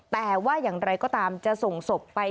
แต่ว่าอย่างไรก็ตามจะส่งศพไป